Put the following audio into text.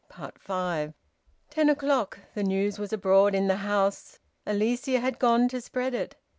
FIVE. Ten o'clock. The news was abroad in the house. Alicia had gone to spread it.